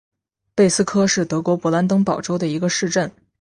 贝斯科是德国勃兰登堡州的一个市镇。